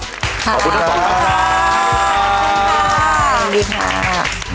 ขอบคุณครับสวัสดีค่ะสวัสดีค่ะ